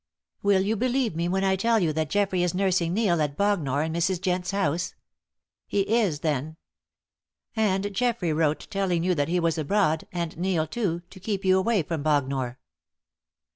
"Will you believe me when I tell you that Geoffrey is nursing Neil at Bognor in Mrs. Jent's house? He is, then. And Geoffrey wrote telling you that he was abroad and Neil, too to keep you away from Bognor."